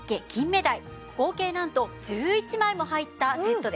合計なんと１１枚も入ったセットです。